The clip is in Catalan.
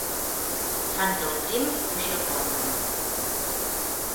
Fan que el prim pugi al pòdium.